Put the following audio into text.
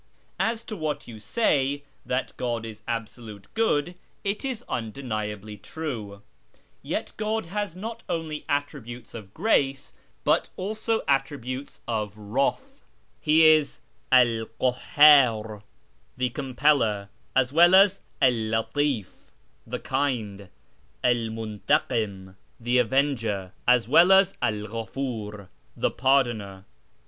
As to what you say, that God is Absolute Good, it is undeniably true ; yet God has not only Attributes of Grace but also Attributes of Wrath — He is Al Kakhdr (the Compeller) as well as Al Latif (the Kind) ; Al M'mitakim (the Avenger) as well as Al Ghafur (the Pardoner).